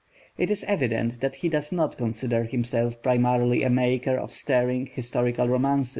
It is evident that he does not consider himself primarily a maker of stirring historical romance.